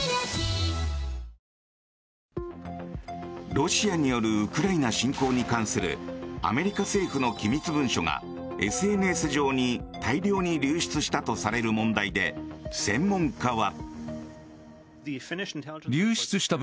ロシアによるウクライナ侵攻に関するアメリカ政府の機密文書がＳＮＳ上に大量に流出したとされる問題で専門家は。